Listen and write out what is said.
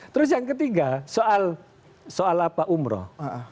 terus yang ketiga soal apa umroh